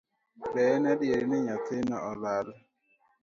Be en adier ni nyathino olal